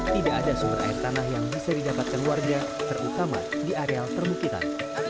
tidak ada sumber air tanah yang bisa didapatkan warga terutama di areal permukitan